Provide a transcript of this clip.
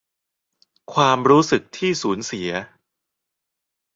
ความรู้สึกที่สูญเสีย